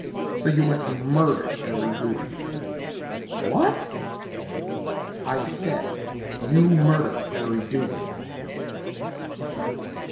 So you went and murdered Harry Duggin." "What?" "I said you murdered Harry Duggin."